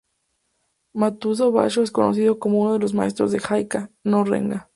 Matsuo Bashō es conocido como uno de los maestros del Haikai-no-Renga.